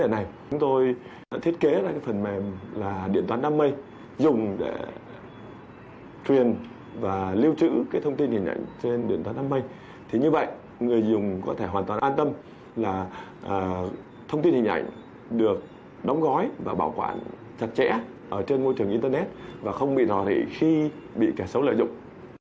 điều đó sẽ dẫn đến rò rỉ các hình ảnh thông tin hình ảnh được đóng gói và bảo quản chặt chẽ trên môi trường internet và không bị rò rỉ khi bị kẻ xấu lợi dụng